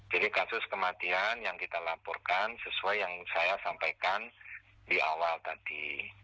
jadi kasus kematian yang kita laporkan sesuai yang saya sampaikan di awal tadi